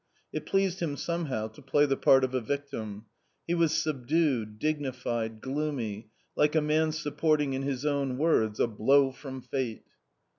It pleased him somehow to play the part of a victim. He was subdued, dignified, gloomy, like a man supporting, in his own words, " a blow from fate."